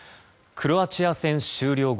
クロアチア戦終了後